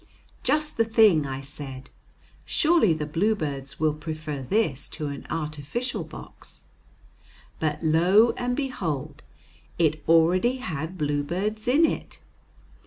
"Just the thing," I said; "surely the bluebirds will prefer this to an artificial box." But, lo and behold, it already had bluebirds in it!